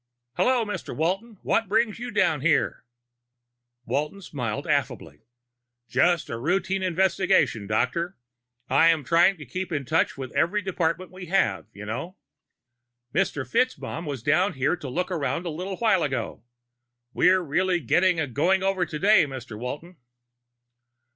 "Hello, Mr. Walton. What brings you down here?" Walton smiled affably. "Just a routine investigation, Doctor. I try to keep in touch with every department we have, you know." "Mr. FitzMaugham was down here to look around a little while ago. We're really getting a going over today, Mr. Walton!"